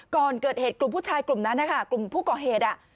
ก่อนเกิดเหตุกลุ่มผู้ชายกลุ่มนั้นนะคะกลุ่มผู้ก่อเหตุ